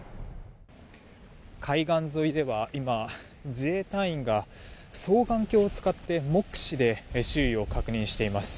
海岸沿いでは今、自衛隊員が双眼鏡を使って目視で周囲を確認しています。